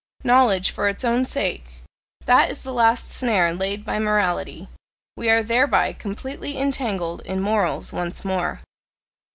"Knowledge for its own sake" that is the last snare laid by morality: we are thereby completely entangled in morals once more.